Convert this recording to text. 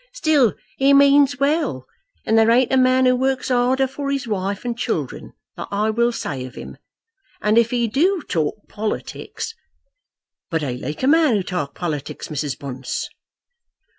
Still he means well, and there ain't a man who works harder for his wife and children; that I will say of him. And if he do talk politics " "But I like a man to talk politics, Mrs. Bunce."